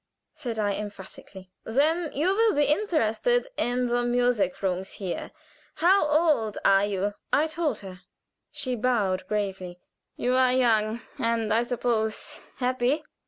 said I, emphatically. "Then you will be interested in the music rooms here. How old are you?" I told her. She bowed gravely. "You are young, and, I suppose, happy?"